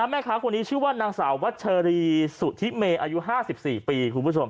แม่ค้าคนนี้ชื่อว่านางสาววัชรีสุธิเมย์อายุ๕๔ปี